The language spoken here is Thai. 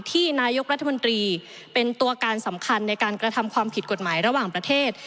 ที่นายกรัฐมนตรีเป็นตัวการสำคัญในการกระทำความผิดกฎหมายระหว่างประเทศ